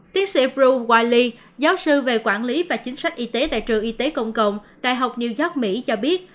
tiến sĩ pro wali giáo sư về quản lý và chính sách y tế tại trường y tế công cộng đại học new york mỹ cho biết